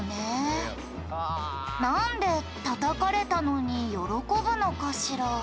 「なんでたたかれたのに喜ぶのかしら？」